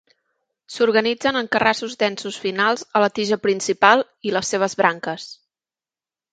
S'organitzen en carrassos densos finals a la tija principal i les seves branques.